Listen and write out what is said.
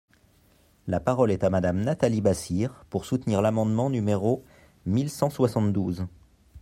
La parole est à Madame Nathalie Bassire, pour soutenir l’amendement numéro mille cent soixante-douze.